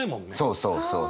そうそうそう。